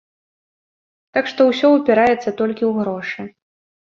Так што ўсе упіраецца толькі ў грошы.